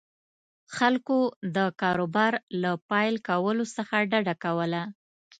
خلکو د کاروبار له پیل کولو څخه ډډه کوله.